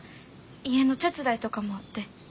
家の手伝いとかもあって。